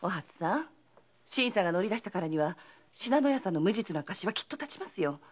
新さんが乗り出したからには信濃屋さんの無実の証はきっと立ちますよ。